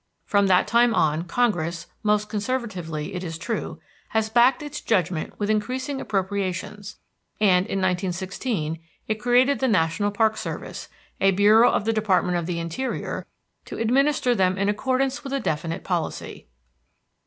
From that time on Congress, most conservatively, it is true, has backed its judgment with increasing appropriations. And in 1916 it created the National Park Service, a bureau of the Department of the Interior, to administer them in accordance with a definite policy.